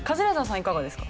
いかがですか？